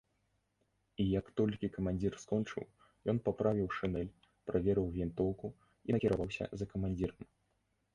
І як толькі камандзір скончыў, ён паправіў шынель, праверыў вінтоўку і накіраваўся за камандзірам.